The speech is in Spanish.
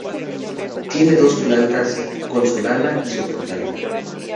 Tiene dos plantas, con solana y soportal.